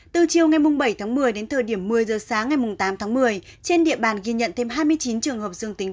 từ chiều ngày bảy tháng một mươi đến thời điểm một mươi giờ sáng ngày tám tháng một mươi trên địa bàn ghi nhận thêm hai mươi chín trường hợp dương tính